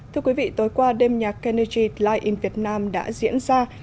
thưa quý vị tối qua đêm nhạc kennedy s life in vietnam đã diễn ra